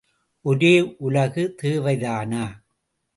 ஒரே உலகு தேவைதானா?